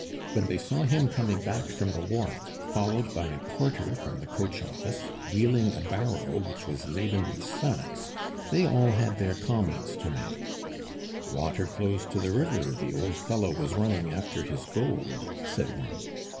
When they saw him coming back from the wharf, followed by a porter from the coach office wheeling a barrow which was laden with sacks, they all had their comments to make: "Water flows to the river; the old fellow was running after his gold," said one.